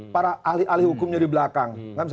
para ahli ahli hukumnya di belakang